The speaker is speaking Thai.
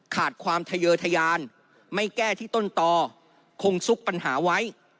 ขาดความทะเยอร์ทะยานไม่แก้ที่ต้นต่อคงซุกปัญหาไว้